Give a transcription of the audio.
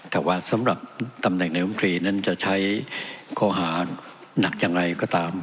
แต่ว่าสำหรับตำแหน่งในอมทรีย์นั้นจะใช้คอหาหนักยังไงก็ตาม